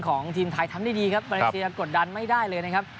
ของทีมไทยทำได้ดีครับมาเลเซียกดดันไม่ได้เลยนะครับ